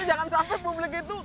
jangan sampai publik itu